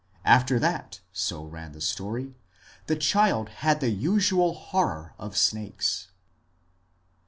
After that, so ran the story, the child had the usual horror of snakes.